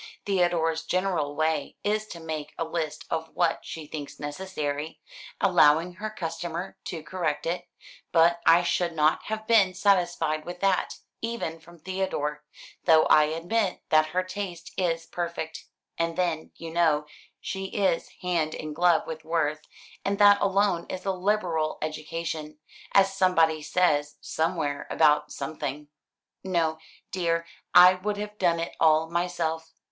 Theodore's general way is to make a list of what she thinks necessary, allowing her customer to correct it; but I should not have been satisfied with that, even from Theodore, though I admit that her taste is perfect. And then, you know, she is hand in glove with Worth, and that alone is a liberal education, as somebody says somewhere about something. No, dear, I would have done it all myself.